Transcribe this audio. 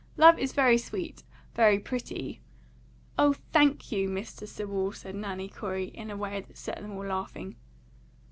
Love is very sweet, very pretty " "Oh, THANK you, Mr. Sewell," said Nanny Corey, in a way that set them all laughing.